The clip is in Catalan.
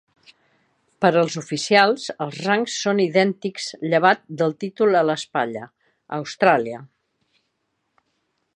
Per als oficials els rangs són idèntics llevat del títol a l'espatlla "Austràlia".